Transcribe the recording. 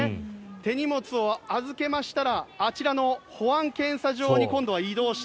手荷物を預けましたらあちらの保安検査場に今度は移動して。